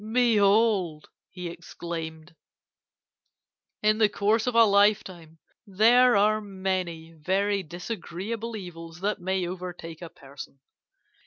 "'Behold!' he exclaimed, 'in the course of a lifetime there are many very disagreeable evils that may overtake a person.